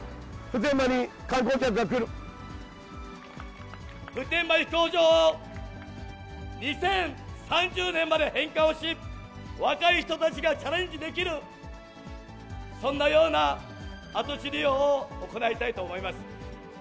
普天間飛行場を２０３０年まで返還をし、若い人たちがチャレンジできる、そんなような跡地利用を行いたいと思います。